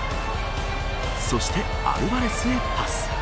そしてアルバレスへパス。